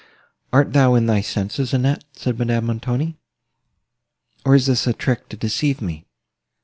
"Art thou in thy senses, Annette?" said Madame Montoni; "or is this a trick to deceive me?